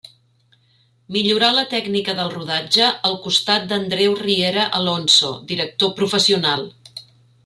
Millorà la tècnica del rodatge al costat d'Andreu Riera Alonso, director professional.